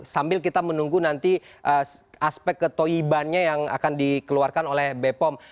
sambil kita menunggu nanti aspek ketoyibannya yang akan dikeluarkan oleh bepom